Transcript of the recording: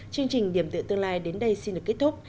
chương trình điểm tựa tương lai đến đây xin được kết thúc